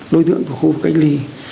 đối tượng của khu vực cách ly